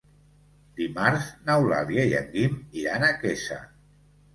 Dimarts n'Eulàlia i en Guim iran a Quesa.